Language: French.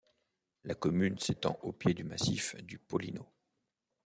La commune s'étend aux pieds du massif du Pollino.